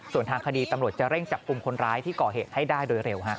ส่วนทางคดีตำรวจจะเร่งจับกลุ่มคนร้ายที่ก่อเหตุให้ได้โดยเร็ว